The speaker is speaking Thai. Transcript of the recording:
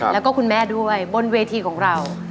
แล้วก็คุณแม่ด้วยบนเวทีของเรา